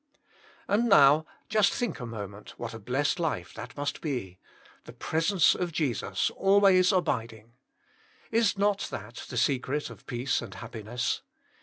And now just think a moment what a blessed life that must be — the pres ence of Jesus always abiding. Is not that the secret of peace and happiness?